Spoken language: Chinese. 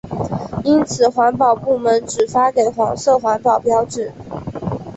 因此环保部门只发给黄色环保标志。